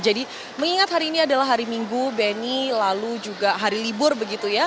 jadi mengingat hari ini adalah hari minggu beni lalu juga hari libur begitu ya